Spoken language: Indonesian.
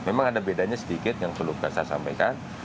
memang ada bedanya sedikit yang perlu saya sampaikan